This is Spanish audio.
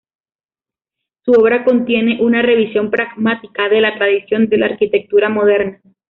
Su obra contiene una revisión pragmática de la tradición de la arquitectura moderna.